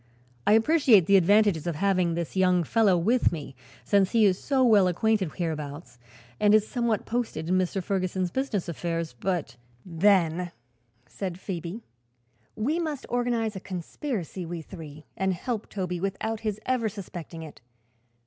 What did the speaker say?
I appreciate the advantages of having this young fellow with me, since he is so well acquainted hereabouts and is somewhat posted in Mr. Ferguson's business affairs; but " "Then," said Phoebe, "we must organize a conspiracy, we three, and help Toby without his ever suspecting it.